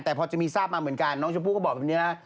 แต่พอจะมีทราบมาเหมือนกันน้องชมพู่ก็บอกแบบนี้นะ